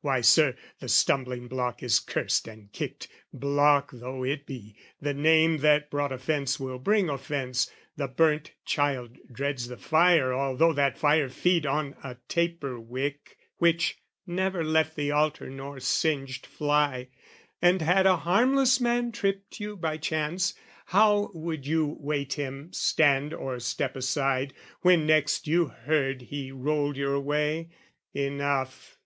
Why, Sir, the stumbling block is cursed and kicked, Block though it be; the name that brought offence Will bring offence: the burnt child dreads the fire Although that fire feed on a taper wick Which never left the altar nor singed fly: And had a harmless man tripped you by chance, How would you wait him, stand or step aside, When next you heard he rolled your way? Enough.